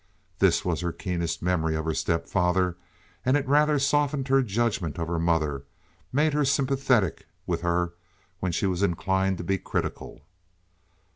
This was her keenest memory of her stepfather, and it rather softened her judgment of her mother, made her sympathetic with her when she was inclined to be critical.